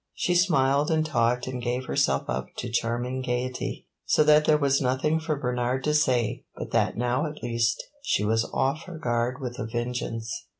She smiled and talked and gave herself up to charming gayety, so that there was nothing for Bernard to say but that now at least she was off her guard with a vengeance.